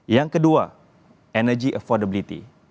yang kedua energy affordability